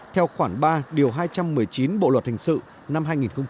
theo khoản ba điều hai trăm một mươi chín bộ luật hình sự năm hai nghìn một mươi năm